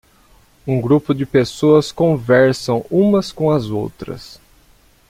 Um grupo de pessoas conversam umas com as outras.